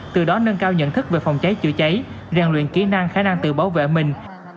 từ đó nâng cao nhận thức về phòng cháy chữa cháy rèn luyện kỹ năng khả năng tự bảo vệ mình